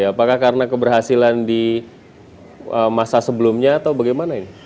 apakah karena keberhasilan di masa sebelumnya atau bagaimana ini